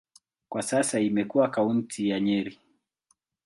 Kwa sasa imekuwa kaunti ya Nyeri.